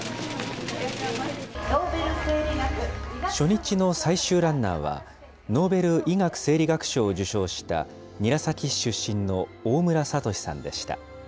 初日の最終ランナーは、ノーベル医学・生理学賞を受賞した韮崎市出身の大村智さんでした。